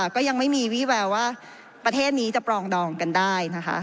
ก็ยังไม่มีวี่แววว่าประเทศนี้จะปรองดองกันได้นะคะ